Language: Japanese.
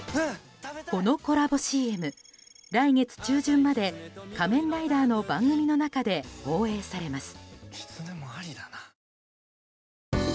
このコラボＣＭ、来月中旬まで「仮面ライダー」の番組の中で放映されます。